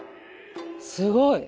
すごい！